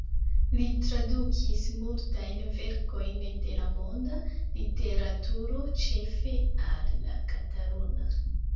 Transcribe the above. Li tradukis multajn verkojn de la monda literaturo ĉefe al la kataluna.